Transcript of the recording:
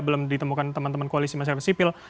belum ditemukan teman teman koalisi masyarakat sipil